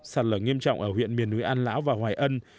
sạt lở nghiêm trọng ở huyện miền núi an lão và hoài ân